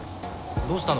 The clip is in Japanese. どうしたの？